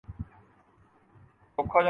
خاتون انڈیا میں سستے اور لذیذ کھانوں